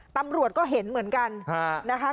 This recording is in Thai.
ตำรวจก็เห็นเหมือนกันนะคะ